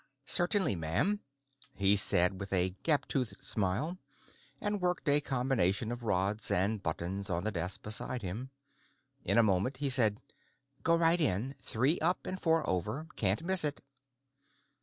"Certainly, Ma'am," he said with a gap toothed smile, and worked a combination of rods and buttons on the desk beside him. In a moment, he said, "Go right in. Three up and four over; can't miss it."